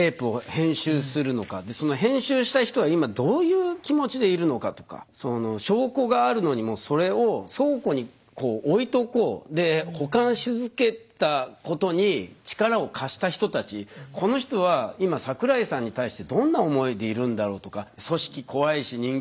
でその編集した人は今どういう気持ちでいるのかとかその証拠があるのにもそれを倉庫に置いとこうで保管し続けたことに力を貸した人たちこの人は今桜井さんに対してどんな思いでいるんだろうとか組織怖いし人間が怖い。